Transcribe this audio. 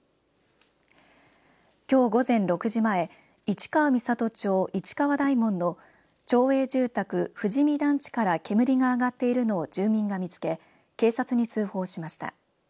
きょう午前６時前市川三郷町市川大門の町営住宅富士見団地から煙が上がっているのを住民が見つけ警察に通報しました。